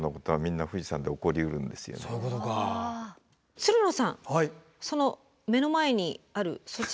つるのさんその目の前にあるそちら